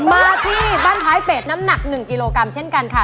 มาที่บ้านท้ายเป็ดน้ำหนัก๑กิโลกรัมเช่นกันค่ะ